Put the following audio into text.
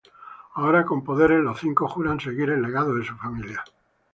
Ahora con poderes, los cinco juran seguir el legado de su familia.